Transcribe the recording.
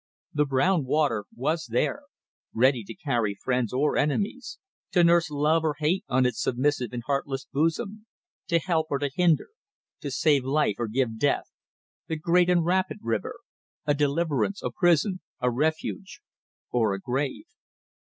The brown water was there, ready to carry friends or enemies, to nurse love or hate on its submissive and heartless bosom, to help or to hinder, to save life or give death; the great and rapid river: a deliverance, a prison, a refuge or a grave.